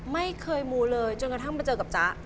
ไม่เคยมูเลยจนกระทั่งมาเจอกับจ๊ะ